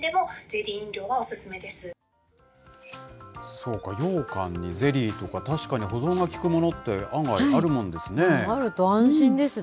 そうか、ようかんにゼリーとか、確かに保存が利くものって案外あるもんですね。